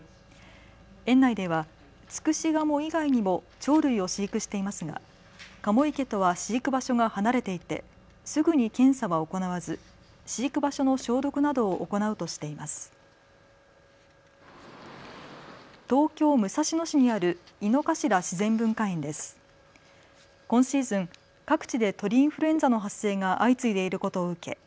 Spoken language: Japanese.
園内ではツクシガモ以外にも鳥類を飼育していますがカモ池とは飼育場所が離れていてすぐに検査は行わず、飼育場所の消毒などを行うとしています。